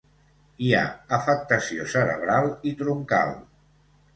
Hi ha afectació cerebral i troncal.